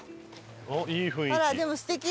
あっいい雰囲気。